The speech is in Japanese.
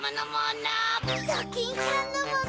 ドキンちゃんのもの！